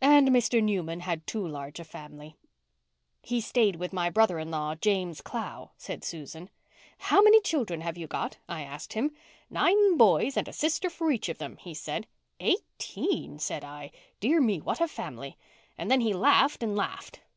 And Mr. Newman had too large a family." "He stayed with my brother in law, James Clow," said Susan. "'How many children have you got?' I asked him. 'Nine boys and a sister for each of them,' he said. 'Eighteen!' said I. 'Dear me, what a family!' And then he laughed and laughed.